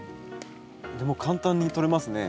でも簡単に取れますね。